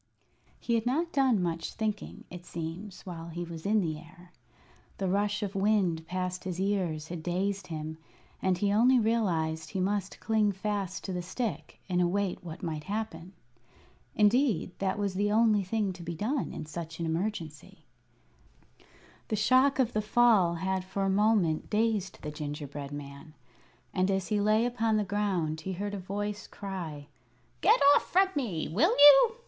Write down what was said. He had not done much thinking, it seems, while he was in the air. The rush of wind past his ears had dazed him, and he only realized he must cling fast to the stick and await what might happen. Indeed, that was the only thing to be done in such an emergency. The shock of the fall had for a moment dazed the gingerbread man; and as he lay upon the ground he heard a voice cry: "Get off from me! Will you?